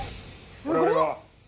「すごっ！」